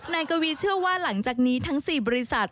นายกวีเชื่อว่าหลังจากนี้ทั้ง๔บริษัท